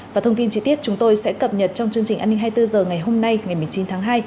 và thông tin chi tiết chúng tôi sẽ cập nhật trong chương trình an ninh hai mươi bốn h ngày hôm nay ngày một mươi chín tháng hai